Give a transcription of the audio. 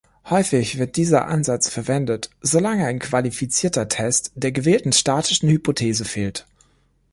Häufig wird dieser Ansatz verwendet, solange ein qualifizierter Test der gewählten statistischen Hypothese fehlt.